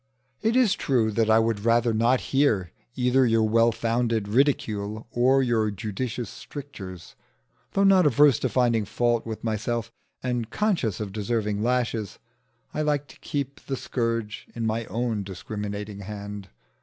It is true, that I would rather not hear either your well founded ridicule or your judicious strictures. Though not averse to finding fault with myself, and conscious of deserving lashes, I like to keep the scourge in my own discriminating hand.